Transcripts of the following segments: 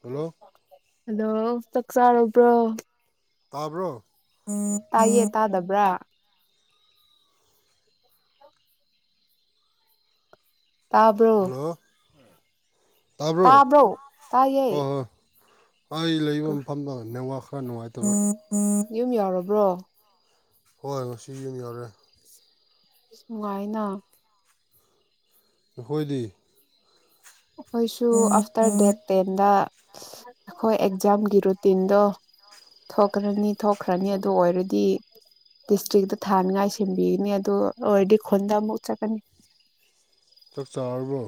hello hello ꯆꯥꯛ ꯆꯥꯔꯕ꯭ꯔꯣ ꯇꯥꯕ꯭ꯔꯣ ꯇꯥꯏꯌꯦ ꯇꯥꯗꯕ꯭ꯔꯥ ꯇꯥꯕ꯭ꯔꯣ ꯍꯜꯂꯣ ꯇꯥꯕ꯭ꯔꯣ ꯇꯥꯏꯌꯦ ꯍꯣꯏ ꯍꯣꯏ ꯑꯩ ꯂꯩꯕ ꯃꯐꯝꯗ ꯅꯦꯠꯋꯥꯛ ꯀ ꯅꯨꯡꯉꯥꯏ ꯇꯥꯕ ꯌꯨꯝ ꯌꯎꯔꯕ꯭ꯔꯣ [inaudible] [unintelligible] ꯍꯣꯏ ꯍꯣꯏ ꯁꯤꯁꯨ ꯌꯨꯝ ꯌꯎꯔꯦ ꯅꯨꯡꯉꯥꯏꯅ ꯑꯩꯈꯣꯏꯗꯤ ꯑꯩꯈꯣꯏꯁꯨ ꯑꯥꯐꯇꯔ ꯗꯦꯠ ꯇꯦꯟꯗ ꯑꯩꯈꯣꯏ ꯑꯦꯛꯖꯥꯝꯒꯤ ꯔꯨꯇꯤꯟꯗꯣ ꯊꯣꯛꯈ꯭ꯔꯅꯤ ꯊꯣꯛꯈ꯭ꯔꯅꯤ ꯑꯗꯨ ꯑꯣꯏꯔꯗꯤ ꯗꯤꯁꯇ꯭ꯔꯤꯛꯇ ꯊꯥꯅꯤꯉꯥꯏ ꯁꯦꯝꯕꯤꯒꯅꯤ ꯑꯗꯨ ꯑꯣꯏꯔꯗꯤ ꯈꯨꯟꯗ ꯑꯃꯨꯛ ꯆꯠꯀꯅꯤ ꯆꯥꯛ ꯆꯥꯔꯕ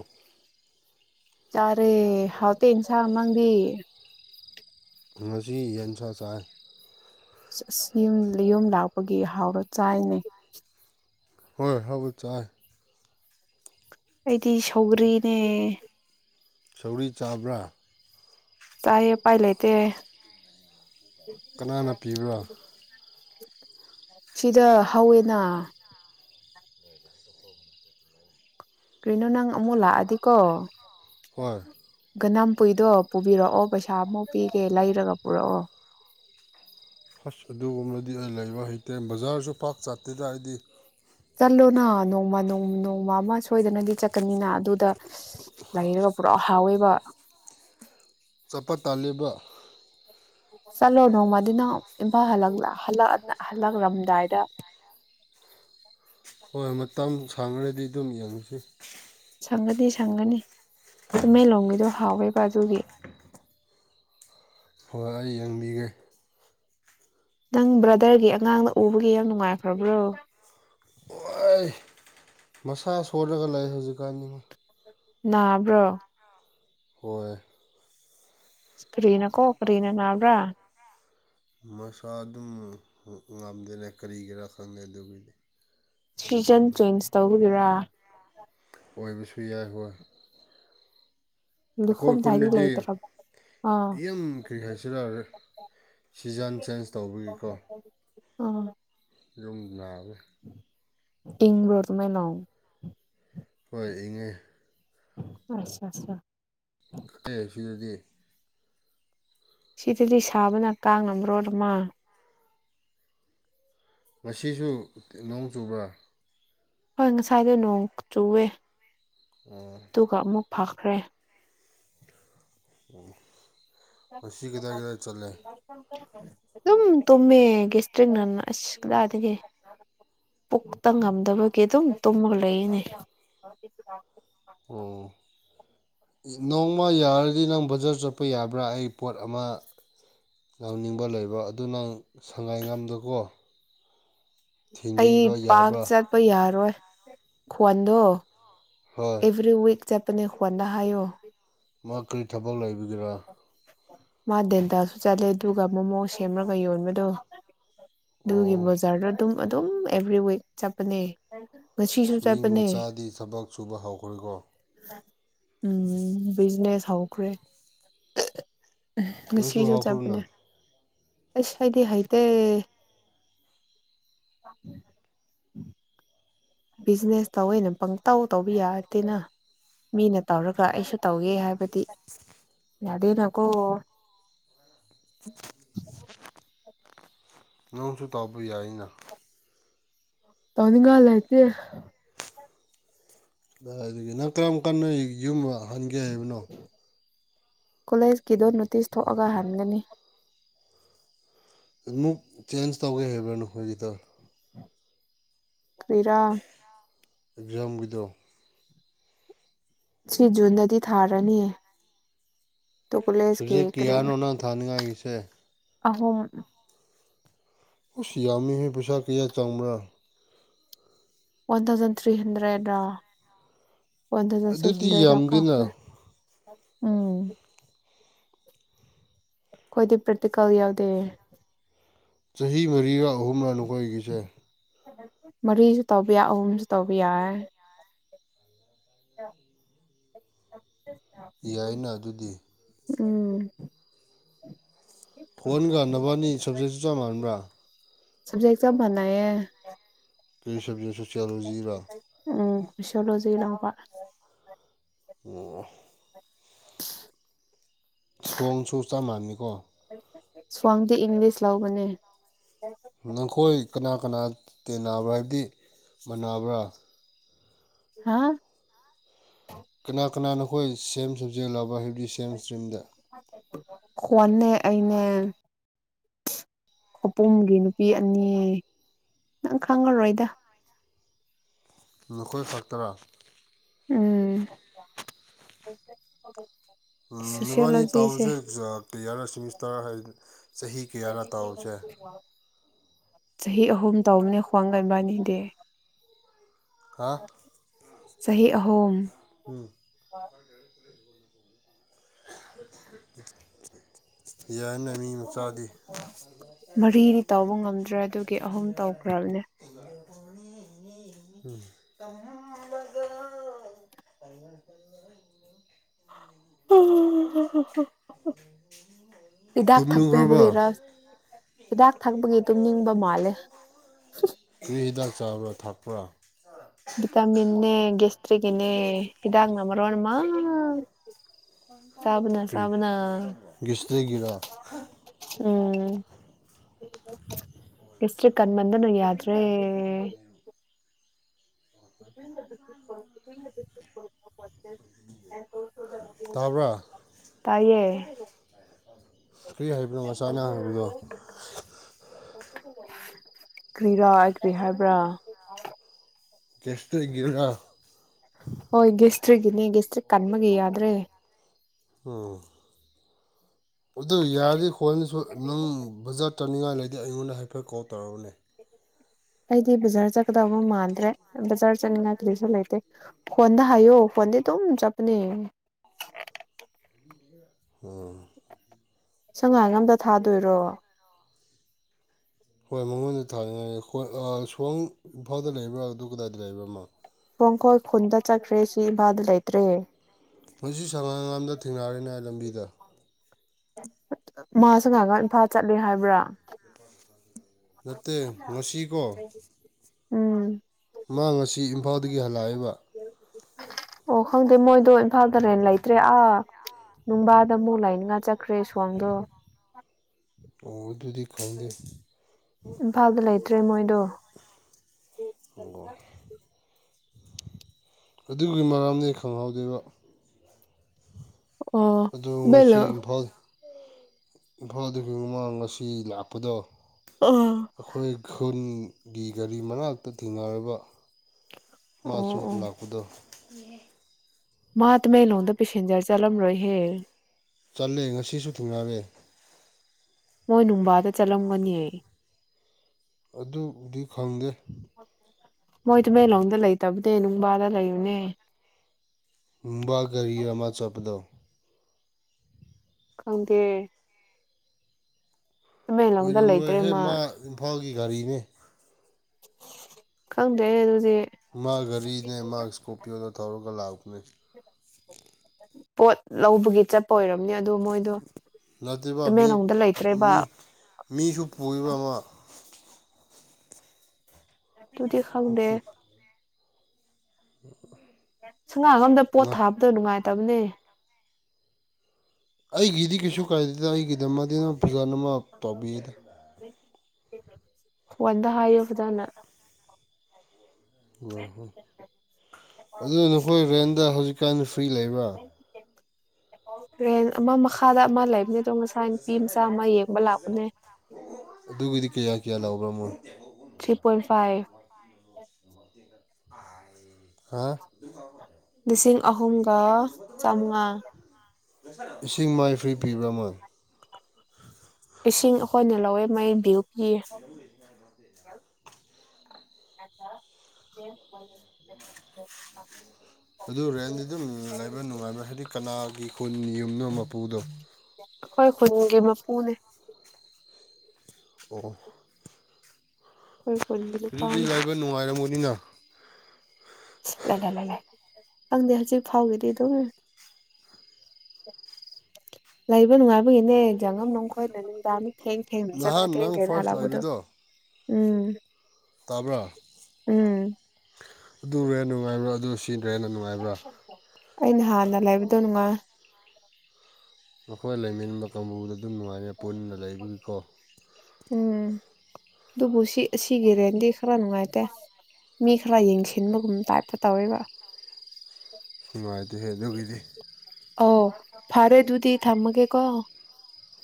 ꯆꯥꯔꯦ ꯍꯥꯎꯇꯦ ꯏꯟꯁꯥꯡ ꯅꯥꯪ ꯗꯤ ꯉꯁꯤ ꯌꯦꯟꯁꯥ ꯆꯥꯏ ꯌꯨꯝꯌꯨꯝ ꯂꯥꯛꯄꯒꯤ ꯍꯥꯎꯔ ꯆꯥꯏꯅꯩ ꯍꯣꯏ ꯍꯧ ꯆꯥꯏ ꯑꯩꯗꯤ ꯁꯧꯒ꯭ꯔꯤꯅꯦ ꯁꯧꯒ꯭ꯔꯤ ꯆꯥꯕ꯭ꯔꯥ ꯆꯥꯏꯌꯦ ꯄꯥꯏ ꯂꯩꯇꯦ ꯀꯅꯥꯅ ꯄꯤꯕ꯭ꯔꯥ ꯁꯤꯗ ꯍꯧꯋꯦꯅ ꯀꯔꯤꯅꯣ ꯅꯪ ꯑꯃꯨꯛ ꯂꯥꯛꯑꯗꯤꯀꯣ ꯍꯣꯏ [unintelligible] ꯎꯄꯨꯏꯗꯣ ꯄꯨꯕꯤꯔꯛꯑꯣ ꯄꯩꯁꯥ ꯑꯃ ꯄꯤꯒꯦ ꯂꯩꯔꯒ ꯄꯨꯔꯛꯑꯣ ꯐꯁ ꯑꯗꯨꯒꯨꯝꯕꯅꯗꯤ ꯑꯩ ꯂꯩꯕ ꯍꯩꯇꯦ ꯕꯖꯥꯔꯁꯨ ꯄꯥꯛ ꯆꯥꯠꯇꯦꯗ ꯑꯩꯗꯤ ꯆꯠꯂꯣꯅ ꯅꯣꯡꯃ ꯅꯣꯡꯃ ꯑꯃ ꯁꯣꯏꯗꯅꯒꯤ ꯆꯠꯀꯅꯤꯅ ꯑꯗꯨꯗ ꯂꯩꯔꯒ ꯄꯨꯔꯥ ꯍꯥꯎꯋꯦꯕ ꯆꯠꯄ ꯇꯥꯜꯂꯤꯕ ꯆꯠꯂꯣ ꯅꯣꯡꯃꯗꯤ ꯅ ꯏꯝꯐꯥꯜ ꯍ ꯍꯜꯂꯛꯂꯝꯗꯥꯏꯗ ꯍꯣꯏ ꯃꯇꯝ ꯁꯥꯡꯈ꯭ꯔꯗꯤ ꯑꯗꯨꯝ ꯌꯦꯡꯉꯨꯁꯤ ꯁꯪꯒꯗꯤ ꯁꯪꯒꯅꯤ ꯇꯨꯃꯦ ꯂꯣꯡꯒꯤꯗꯣ ꯍꯥꯎꯋꯦꯕ ꯑꯗꯨꯒꯤ ꯍꯣꯏ ꯑꯩ ꯌꯦꯡꯕꯤꯒꯦ ꯅꯪ ꯕ꯭ꯔꯗꯔꯒꯤ ꯑꯉꯥꯡꯗ ꯎꯕꯒꯤ ꯌꯥꯝ ꯅꯨꯡꯉꯥꯏꯈ꯭ꯔꯕ꯭ꯔꯣ ꯑꯩ ꯃꯁꯥ ꯁꯂꯒ ꯂꯩ ꯍꯧꯖꯤꯛꯀꯥꯟꯅꯤꯅ ꯅꯥꯕ꯭ꯔꯣ ꯍꯣꯏ ꯀꯔꯤꯅꯥ ꯀꯣ ꯀꯔꯤꯅ ꯅꯥꯕ꯭ꯔꯥ ꯃꯁꯥ ꯑꯗꯨꯝ ꯉꯝꯗꯦꯅꯦ ꯀꯔꯤꯒꯤꯔꯥ ꯈꯪꯗꯦ ꯑꯗꯨꯒꯤꯗꯤ ꯁꯤꯖꯟ ꯆꯦꯟꯖ ꯇꯧꯒꯔꯥ ꯃꯣꯏꯕꯤꯁꯨꯨ ꯌꯥꯏꯈ ꯑꯩꯈꯣꯏ ꯂꯨꯈꯣꯝ ꯊꯥꯏꯗꯤ ꯈꯨꯟꯗꯗꯤ ꯂꯩꯇ꯭ꯔꯕ ꯑꯥ ꯌꯥꯝ ꯀꯔꯤ ꯍꯥꯏꯁꯤꯔꯥ ꯁꯤꯖꯟ ꯆꯦꯟꯖ ꯇꯧꯕꯒꯤꯀꯣ ꯑ ꯂꯨꯝ ꯂꯑ ꯢꯕꯔꯣ ꯇꯥꯃꯦꯅꯣꯡ ꯍꯣꯏ ꯏꯉꯦ ꯑꯆꯥ ꯑꯆꯥ [unintelligible] ꯁꯤꯗꯗꯤ ꯁꯤꯗꯗꯤ ꯁꯥꯕꯅ ꯀꯥꯡꯉꯝꯕꯔꯣꯃ ꯉꯁꯤꯁꯨ ꯅꯣꯡ ꯆꯨꯕ ꯍꯪꯁꯗꯦ ꯅꯣꯡ ꯆꯨꯋꯦ ꯑꯣ ꯇꯨ ꯀ ꯃꯨ ꯐꯥꯛ ꯈꯔꯦ [unintelligible] ꯉꯁꯤ ꯀꯗꯥꯏꯗ ꯆꯠꯂꯦ ꯑꯗꯨꯝ ꯇꯨꯝꯃꯦ ꯒꯦꯁꯇ꯭ꯔꯤꯛꯅ ꯑꯁꯗꯥꯗꯒꯤ ꯄꯨꯣꯛꯛꯇ ꯉꯝꯗꯕꯒꯤ ꯑꯗꯨꯝ ꯇꯨꯝꯃꯒ ꯂꯩꯏꯅꯦ ꯎ ꯅꯣꯡꯃ ꯌꯥꯔꯗꯤ ꯅꯪ ꯕꯖꯥꯔ ꯆꯠꯄ ꯌꯥꯕ꯭ꯔꯥ ꯑꯩ ꯄꯣꯠ ꯑꯃ ꯌꯥꯥꯎꯅꯤꯡꯕ ꯂꯩꯕ ꯑꯗꯨ ꯅꯪ ꯁꯉꯥꯏꯒꯥꯝꯗꯀꯣ ꯑꯩ ꯄꯥꯛ ꯆꯠꯄ ꯌꯥꯔꯣꯏ ꯈꯋꯥꯟꯗꯣ ꯍꯣꯏ ꯑꯦꯕ꯭ꯔꯤꯋꯤꯛ ꯆꯦꯄꯅꯦ ꯍꯅ ꯍꯥꯏꯌꯣ ꯃꯥ ꯀꯔꯤ ꯊꯕꯛ ꯂꯩꯕꯒꯦꯔ ꯃꯥ ꯗꯦꯟꯇꯁꯨ ꯆꯠꯂꯦ ꯑꯗꯨꯒ ꯃꯣꯃꯣ ꯁꯦꯝꯃꯔꯒ ꯌꯣꯟꯕꯗꯣ ꯑꯗꯨꯒꯤ ꯑꯣ ꯕꯖꯥꯔꯗ ꯑꯗꯨꯝ ꯑꯗꯨꯝ ꯑꯦꯚ꯭ꯔꯤ ꯋꯤꯛ ꯆꯠꯄꯅꯦ ꯉꯁꯤꯁꯨ ꯃꯤ ꯆꯠꯄꯅꯦ ꯃꯆꯥꯗꯤ ꯊꯕꯛ ꯁꯨꯕ ꯍꯧꯈ꯭ꯔꯦꯀꯣ ꯎꯝ ꯕꯤꯖꯤꯅꯦꯁ ꯍꯧꯈ꯭ꯔꯦ ꯎ ꯅꯪꯁꯨ ꯉꯁꯤꯁꯨ ꯍꯧꯈ꯭ꯔꯣꯅ ꯆꯄꯅꯦ ꯑꯁ ꯍꯥꯏꯥꯏꯗꯤ ꯍꯥꯏꯥꯏꯗ ꯕꯤꯖꯤꯅꯦꯁ ꯇꯧꯦꯩꯅ ꯄꯪꯇꯧ ꯇꯧꯕꯤ ꯌꯥꯗꯦꯅ ꯃꯤꯅ ꯇꯧꯔꯒ ꯑꯩꯁꯨ ꯇꯧꯒꯦ ꯍꯥꯏꯕꯗꯤ ꯌꯥꯗꯦꯅꯀꯣ [unintelligible] [inaudible] ꯅꯪꯁꯨ ꯇꯥꯎꯕ ꯌꯥꯏ ꯑꯩꯅ ꯇꯥꯎꯅꯤꯡꯒꯂ ꯑꯥꯏꯇ ꯑꯗꯨꯗꯒꯤ ꯅꯪ ꯀꯔꯝ ꯀꯥꯟꯅꯣ ꯌꯨꯝꯣ ꯐꯍꯟꯒꯦ ꯍꯥꯏꯕꯅꯣ ꯀꯣꯂꯦꯖꯀꯤꯗꯣ ꯅꯣꯇꯤꯁ ꯊꯣꯛꯑꯒ ꯍꯟꯒꯅꯤ ꯑꯃꯨꯛ ꯆꯦꯟꯖ ꯇꯧꯒꯦ ꯍꯥꯏꯕ꯭ꯔꯥꯅꯨ ꯍꯧꯖꯤꯇꯥꯜ ꯀꯤꯔꯥ ꯌꯝꯒꯤꯗ ꯁꯤ ꯖꯨꯟꯗꯗꯤ ꯊꯥꯔꯅꯤ ꯑꯗꯨ ꯀꯣꯂꯦꯖꯀꯤ ꯁꯨꯖꯤꯦꯛ ꯀꯔꯤ ꯀꯌꯥꯅ ꯑꯣꯅ ꯊꯥꯅꯤꯡꯉ ꯁꯦ ꯑꯍꯨꯝ ꯑꯣꯁ ꯌꯥꯝꯃꯤ ꯍꯣꯏ ꯄꯩꯁꯥ ꯀꯌꯥ ꯆꯪꯕ꯭ꯔꯥ ꯋꯥꯟ ꯊꯥꯎꯖꯟ ꯊ꯭ꯔꯤ ꯍꯟꯗ꯭ꯔꯦꯗ ꯄꯟꯗ ꯑꯗꯨꯗꯤ ꯆꯗꯔ ꯀꯥ ꯌꯥꯝꯗꯦꯅ ꯎꯝ ꯑꯩꯈꯣꯏꯗꯤ ꯄ꯭ꯔꯦꯛꯇꯤꯀꯜ ꯌꯥꯎꯗꯦ ꯆꯍꯤ ꯃꯔꯤꯒ ꯑꯍꯨꯝꯂ ꯅꯈꯣꯏꯒꯤꯁꯦ ꯃꯔꯤꯁꯨ ꯇꯧꯕ ꯌꯥꯏ ꯑꯍꯨꯝꯁꯨ ꯇꯧꯕ ꯌꯥꯏ [unintelligible] [inaudible] ꯌꯥꯏꯅ ꯑꯗꯨꯗꯤ ꯎꯝ ꯀꯟꯒꯥꯟꯅꯕꯅꯤ ꯁꯞꯖꯦꯛꯁꯤ ꯆꯞ ꯃꯥꯟꯅꯕ꯭ꯔꯥ ꯁꯕꯖꯦꯛ ꯆꯞ ꯃꯥꯟꯅꯩꯌꯦ ꯀꯩ ꯁꯖꯁ ꯆꯔꯣꯖꯤꯔꯥ ꯑꯁꯌꯣꯂꯣꯖꯤ ꯂꯧꯄꯥ ꯑꯣ ꯁꯣꯡꯁꯨ ꯆꯞ ꯃꯥꯟꯅꯩꯀꯣ ꯁ꯭ꯋꯥꯡꯗꯤ ꯏꯪꯂꯤꯁ ꯂꯧꯕꯅꯦ ꯅꯈꯣꯏ ꯀꯅꯥ ꯀꯅꯥ ꯇꯤꯟꯅꯕꯒꯤ ꯁꯥꯟꯅꯕ ꯍꯥꯥ ꯀꯅꯥ ꯀꯅꯥꯅꯈꯣꯏ ꯁꯦꯝ ꯁꯖꯦꯛ ꯂꯧꯕ ꯔꯤꯁꯦꯝ ꯏꯁꯇ꯭ꯔꯤꯝꯗ ꯀꯣꯟꯅꯦ ꯑꯩꯅꯦ ꯈꯄꯨꯝꯒꯤ ꯅꯨꯄꯤ ꯑꯅꯤ ꯅꯪ ꯈꯪꯉꯔꯣꯏꯗ ꯅꯈꯣꯏ ꯈꯛꯇꯔꯥ ꯎꯝ [unintelligible] ꯎꯝ ꯅꯕꯥꯅꯤ ꯁꯣꯁꯤꯌꯣꯂꯣꯖꯤꯁꯦ ꯇꯥꯎꯁꯦ [unintelligible] ꯇꯥꯛ ꯆꯍꯤ ꯀꯌꯥꯔ ꯇꯥꯎꯁꯦ ꯆꯍꯤ ꯑꯍꯨꯝ ꯇꯥꯎꯅꯤ ꯈ꯭ꯋꯥꯡꯒꯟꯕꯥꯅꯤꯗꯤ ꯍꯥ ꯆꯍꯤ ꯑꯍꯨꯝ ꯎꯝ [unintelligible] ꯃꯤ ꯃꯆꯥꯗꯤ ꯃꯔꯤꯗꯤ ꯇꯧꯕ ꯉꯝꯗ꯭ꯔꯦ ꯑꯗꯨꯒꯤ ꯑꯍꯨꯝ ꯇꯧꯈ꯭ꯔꯕꯅꯦ [unintelligible] [unintelligible] ꯍꯤꯗꯥꯥꯛ ꯊꯛꯄꯤ ꯇꯨꯝꯅꯤꯡꯈ꯭ꯔꯕꯣ ꯒꯦꯔ ꯍꯤꯗꯥꯛ ꯊꯛꯄꯒꯤ ꯇꯨꯝꯅꯤꯡꯕ ꯃꯥꯜꯂꯦ ꯀꯔꯤ ꯍꯤꯗꯥꯛ ꯆꯥꯕ꯭ꯔꯥ ꯊꯛꯄ꯭ꯔꯥ ꯈ꯭ꯔꯤꯒꯅꯦ ꯍꯤꯗꯥꯛ ꯅ ꯃꯔꯣꯜ ꯑꯃ ꯆꯥꯕꯅ ꯀꯔꯤ ꯆꯥꯕꯅ [unintelligible] [unintelligible] ꯏꯁ꯭ꯔ ꯀꯟꯃꯗꯅ ꯌꯥꯗ꯭ꯔꯦ ꯇꯥꯕ꯭ꯔꯥ [unintelligible] [inaudible] ꯇꯥꯏꯌꯦ ꯀꯔꯤ ꯍꯥꯏꯕꯅꯣ ꯃꯆꯥꯅ ꯍꯥꯏꯕꯗꯣ ꯀꯔꯤꯔꯥ ꯑꯩ ꯀꯔꯤ ꯍꯥꯏꯕ꯭ꯔꯥ ꯆꯦꯁꯇꯩꯒꯤꯔ ꯍꯣꯏ ꯒꯁꯇ꯭ꯔꯤꯛꯀꯤꯅꯦ ꯒꯁꯇ꯭ꯔꯤꯛ ꯀꯟꯕꯒꯤ ꯌꯥꯗ꯭ꯔꯦ ꯎ ꯑꯗꯨ ꯌꯥꯔꯗꯤ ꯈꯣꯅꯁꯨ ꯅꯪ ꯕꯖꯥꯔꯠ ꯆꯠꯅꯤꯡꯉꯥꯏ ꯂꯩꯇꯦ ꯑꯩꯉꯣꯟꯗ ꯍꯥꯏꯐꯦꯠ ꯀꯣꯜ ꯇꯧꯔꯛ ꯎꯅꯦ ꯑꯩꯗꯤ ꯕꯖꯥꯔ ꯆꯠꯀꯗꯕ ꯃꯥꯟꯗ꯭ꯔꯦ ꯕꯖꯥꯔ ꯆꯠꯅꯤꯡꯉꯥꯏ ꯀꯔꯤꯁꯨ ꯂꯩꯇꯦ ꯐꯣꯟꯗ ꯍꯥꯏꯌꯣ ꯐꯣꯟꯗꯤ ꯑꯗꯨꯝ ꯆꯠꯄꯅꯦ ꯑꯣ ꯁꯉꯥꯏ ꯑꯝꯇ ꯊꯥꯗꯣꯏꯔꯣ ꯍꯣꯏ ꯃꯉꯣꯟꯗ ꯊꯥꯅꯤꯡꯉꯥꯏꯣꯏ ꯁ꯭ꯋꯥꯡ ꯏꯝꯐꯥꯜꯗ ꯂꯩꯕ꯭ꯔꯥ ꯑꯗꯨ ꯀꯗꯥꯏꯗ ꯂꯩꯕ꯭ꯔꯥꯃꯣ ꯈꯣꯡꯈꯣꯜ ꯈꯨꯟꯗ ꯆꯠꯈ꯭ꯔꯦ ꯁꯤ ꯏꯝꯐꯥꯜꯗ ꯂꯩꯇ꯭ꯔꯦ ꯍꯧ ꯁꯉꯥꯡꯝꯗ ꯊꯦꯡꯅꯔꯤꯅ ꯂꯝꯕꯤꯗ ꯗ ꯃꯥꯁ ꯉꯥꯏꯛꯒ ꯏꯝꯐꯥꯜ ꯆꯠꯂꯦ ꯍꯥꯏꯕ꯭ꯔꯥ ꯅꯠꯇꯦ ꯉꯁꯤꯀꯣ ꯎꯝ ꯃꯥ ꯑꯁꯤ ꯏꯝꯐꯥꯜꯗꯒꯤ ꯍꯜꯂꯛꯏꯕ ꯑꯣ ꯈꯪꯗꯦ ꯃꯣꯏꯗꯣ ꯏꯝꯐꯥꯜ ꯇꯔꯦꯟ ꯂꯩꯇ꯭ꯔꯦ ꯑꯥ ꯅꯨꯡꯕꯥꯗ ꯑꯃꯨꯛ ꯂꯩꯅꯤꯡꯉꯥꯏ ꯆꯠꯈ꯭ꯔꯦ ꯁꯣꯝꯗꯣ ꯑꯣ ꯑꯗꯨꯗꯨꯗꯤ ꯈꯪꯗ ꯇ꯭ꯔꯦꯃꯣꯏꯗ ꯑꯣ ꯑꯗꯨꯒꯤꯒꯤ ꯃꯔꯝꯅꯤ ꯈꯪꯍꯧꯗꯣꯏꯕ ꯉꯁꯤ ꯑꯣꯕꯂ ꯏꯝꯐꯥꯜ ꯏꯝꯐꯥꯜꯗꯒꯤ ꯃꯃꯥꯡ ꯉꯁꯤ ꯂꯥꯛꯄꯗꯣ ꯑꯣ ꯑꯩꯈꯣꯏ ꯈꯜ ꯒꯤ ꯀꯔꯤ ꯃꯅꯥꯛ ꯇ ꯊꯦꯡꯉꯥꯏꯔꯕ ꯑꯣ ꯃꯥꯁꯨ ꯑꯣ ꯂꯥꯛꯄꯗꯣ [unintelligible] ꯃꯥ ꯇꯃꯦꯂꯣꯡꯗ ꯄꯦꯁꯦꯟꯖꯔ ꯆꯠꯂꯝꯔꯣꯏꯍꯦ ꯆꯠꯂꯦ ꯉꯁꯤꯁꯨ ꯀꯨꯝꯊꯔꯦ ꯃꯣꯏ ꯅꯨꯡꯕꯥꯗ ꯆꯠꯂꯝꯒꯅꯤꯌꯦ ꯑꯗꯨꯕꯨꯗꯤ ꯈꯪꯗꯦ ꯃꯣꯏ ꯇꯃꯦꯡꯂꯣꯡꯗ ꯂꯩꯇꯕꯅꯦ ꯅꯨꯡꯕꯥꯗ ꯂꯩꯕꯅꯦ ꯨꯃꯨꯡꯕ ꯒꯥꯔꯤ ꯑꯃ ꯆꯠꯄꯗꯣ ꯈꯪꯗꯦ ꯇꯃꯦꯡꯂꯣꯡꯗ ꯂꯩꯇ꯭ꯔꯦ ꯑꯣꯏꯔꯝꯂꯣꯏꯍꯦ ꯃꯥ ꯏꯝꯐꯥꯜꯒꯤ ꯒꯥꯔꯤꯅꯦ ꯈꯪꯗ꯭ꯔꯦ ꯑꯗꯨꯗꯤ ꯃꯥ ꯒꯔꯤꯅꯦ ꯃꯥ ꯏꯁꯀꯣꯄꯤꯌꯣꯗꯣ ꯊꯧꯔꯒ ꯂꯥꯛꯄꯅꯦ ꯄꯣꯠ ꯂꯧꯕꯒꯤ ꯆꯠꯄ ꯑꯣꯏꯔꯝ ꯅꯠꯇꯦꯕ ꯃꯤ ꯇꯃꯦꯡꯂꯣꯡꯗ ꯂꯩꯇ꯭ꯔꯦꯕ ꯃꯤ ꯃꯤꯁꯨ ꯄꯨꯏꯌꯦꯕ ꯃꯥ ꯗꯨꯗꯤ ꯈꯪꯗꯦ [inaudible] [unintelligible] ꯑꯝꯗ ꯄꯣꯠ ꯊꯥꯕꯗꯣ ꯅꯨꯡꯉꯥꯏ ꯇꯝꯅꯦ ꯑꯩꯒꯤꯗꯤ ꯀꯁꯨ ꯀꯥꯏꯗꯦꯗ ꯑꯩꯒꯤ [unintelligible] ꯐꯖꯅ ꯃꯥ ꯇꯧꯕꯤꯅꯦ ꯋꯥꯟꯗ ꯍꯥꯏꯌꯨ ꯐꯖꯅ ꯑꯗꯨ ꯍꯣꯏ ꯑꯗꯣ ꯅꯈꯣꯏ ꯔꯦꯟꯗ ꯍꯧꯖꯤꯛꯀꯥꯟ ꯐ꯭ꯔꯤ ꯂꯩꯕ꯭ꯔꯥ ꯔꯦꯟ ꯑꯃ ꯃꯈꯥꯗ ꯑꯃ ꯂꯩꯕꯅꯦ ꯑꯗꯣ ꯉꯁꯥꯏ ꯅꯨꯄꯤ ꯃꯆꯥ ꯑꯃ ꯌꯦꯡꯕ ꯂꯥꯛꯄꯅꯦ ꯑꯗꯨꯒꯤꯗꯤ ꯀꯌꯥ ꯀꯤꯌꯥ ꯂꯧꯕ꯭ꯔ ꯃꯣꯏ ꯊ꯭ꯔꯤ ꯄꯣꯏꯟ [inaudible] ꯍꯥ ꯂꯤꯁꯤꯡ ꯑꯍꯨꯝꯒ ꯆꯥꯃꯉꯥ ꯏꯁꯤꯡ ꯃꯥꯏ ꯐ꯭ꯔꯤ ꯄꯤꯕ꯭ꯔꯥ ꯃꯣꯏ ꯏꯁꯤꯡ ꯑꯩꯈꯣꯏꯅ ꯂꯧꯋꯦ ꯃꯩ ꯄꯤ [inaudible] [unintelligible] ꯑꯗꯣ ꯔꯦꯟꯗꯤ ꯑꯗꯨꯝ ꯂꯩꯕ ꯅꯨꯡꯉꯥꯏꯕ꯭ꯔꯥ ꯍꯥꯏꯗꯤ ꯀꯅꯥꯒꯤ ꯈꯨꯟꯒꯤ ꯌꯨꯝꯅꯣ ꯃꯄꯨꯗꯣ ꯑꯩꯈꯣꯏ ꯈꯨꯟꯒꯤ ꯃꯄꯨꯅꯦ ꯑꯣ ꯑꯩꯈꯣꯏ ꯈꯨꯟꯒꯤ ꯑꯗꯨꯗꯤ ꯅꯨꯄꯥꯅꯦ ꯂꯩꯕ ꯅꯨꯡꯉꯥꯏꯔꯝꯒꯅꯤꯅ [unintelligible] ꯈꯪꯗꯦ ꯍꯧꯖꯤꯛ ꯐꯥꯎꯒꯤꯗꯤ ꯑꯗꯨꯝ ꯂꯩꯕ ꯅꯨꯡꯉꯥꯏꯕꯒꯤꯅꯦ [unintelligible] ꯊꯦꯡ ꯊꯦꯡꯅ ꯆꯠꯂꯒ ꯅꯍꯥꯟ ꯊꯦꯡ ꯅꯪ ꯊꯦꯡꯅ ꯐꯥꯔꯁ ꯍꯟꯂꯛꯄꯗꯨ ꯂꯩꯕꯗꯣ ꯎꯝ ꯇꯥꯕ꯭ꯔꯥ ꯎꯝ ꯑꯗꯨ ꯔꯦꯟꯗꯣ ꯅꯨꯡꯉꯥꯏꯕ꯭ꯔ ꯑꯗꯨ ꯁꯤ ꯔꯦꯟꯅ ꯅꯨꯡꯉꯥꯏꯕ꯭ꯔꯥ ꯑꯩꯅ ꯍꯥꯟꯅ ꯂꯩꯕꯗꯣ ꯅꯨꯡꯉꯥꯏ ꯑꯈꯣꯏ ꯂꯩꯃꯤꯟꯕ ꯀꯥꯡꯕꯨꯅꯦ ꯑꯗꯨꯝ ꯅꯨꯡꯉꯥꯏ ꯄꯨꯟꯅ ꯂꯩꯕꯒꯤꯀꯣ ꯎꯝ ꯑꯗꯨꯕꯨ ꯁꯤ ꯁꯤꯒꯤꯔꯦꯟꯗꯤ ꯈꯔ ꯅꯨꯡꯉꯥꯏꯇꯦ ꯃꯤ ꯈꯔ ꯌꯦꯡꯁꯤꯟꯕꯒꯨꯝ ꯇꯥꯏꯞꯇ ꯇꯧꯕ ꯅꯨꯡꯉꯥꯏꯇꯍꯦ ꯑꯗꯨꯒꯤꯗꯤ ꯑꯣ ꯐꯔꯦꯗꯨꯗꯤ ꯊꯝꯃꯒꯦ ꯀꯣ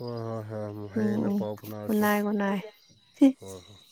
ꯍꯣꯏ ꯍꯣꯏ ꯍꯣꯏ ꯍꯌꯦꯡꯅ ꯄꯥꯎ ꯒꯨꯠ ꯐꯅꯔꯁꯦ ꯅꯥꯏꯠ ꯒꯨꯠ ꯅꯥꯏꯠ ꯍꯣꯏ ꯍꯣꯏ [inaudible]